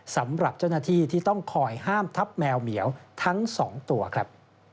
สำหรับเจ้าหน้าที่ที่ต้องคอยห้ามทับแมวเหมียวทั้ง๒ตัวครับ